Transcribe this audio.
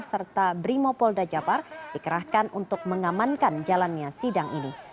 serta brimopolda jabar dikerahkan untuk mengamankan jalannya sidang ini